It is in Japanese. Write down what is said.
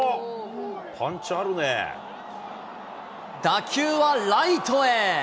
打球はライトへ。